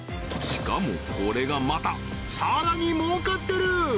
しかもこれがまたさらに儲かってる！